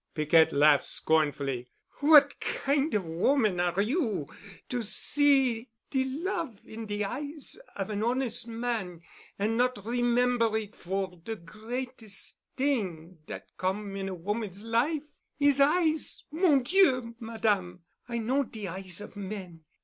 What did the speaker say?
Piquette laughed scornfully. "What kind of woman are you to see de love in de eyes of an hones' man an' not remember it, for de greates' t'ing dat come' in a woman's life? 'Is eyes! Mon Dieu, Madame. I know de eyes of men.